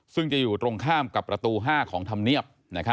ซึ่งจะอยู่ตรงข้ามกับประตู๕ของธรรมเนียบ